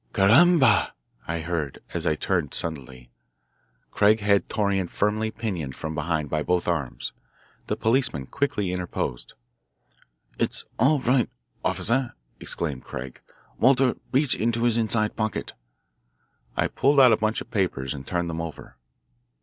"Car ramba!" I heard as I turned suddenly. Craig had Torreon firmly pinioned from behind by both arms. The policeman quickly interposed. "It's all right, officer," exclaimed Craig. "Walter, reach into his inside pocket." I pulled out a bunch of papers and turned them over.